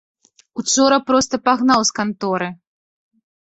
Учора проста пагнаў з канторы.